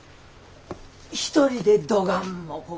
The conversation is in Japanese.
一人でどがんもこ